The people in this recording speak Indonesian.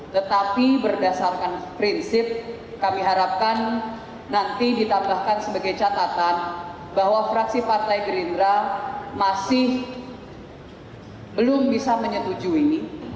tetapi berdasarkan prinsip kami harapkan nanti ditambahkan sebagai catatan bahwa fraksi partai gerindra masih belum bisa menyetujui ini